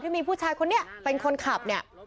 ที่มีผู้ชายคนนี่เป็นคนขับ